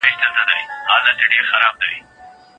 هغه پرون وختي ولاړی او بېرته رانغی.